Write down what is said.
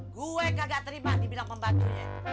gue kagak terima dibilang pembantunya